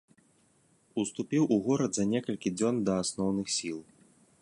Уступіў у горад за некалькі дзён да асноўных сіл.